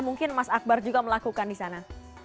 mungkin mas akbar juga melakukan di sana